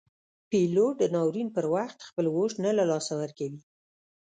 پیلوټ د ناورین پر وخت خپل هوش نه له لاسه ورکوي.